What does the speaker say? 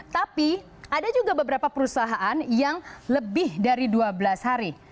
tapi ada juga beberapa perusahaan yang lebih dari dua belas hari